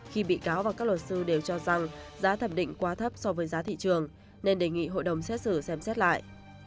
khi bị cáo và các luật sư đều cho rằng giá thẩm định quá thấp so với giá thị trường nên đề nghị hội đồng xét xử xem xét lại